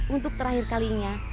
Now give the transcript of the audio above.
untuk terakhir kalinya